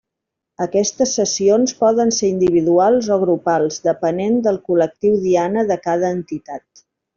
Aquestes sessions poden ser individuals o grupals depenent del col·lectiu diana de cada entitat.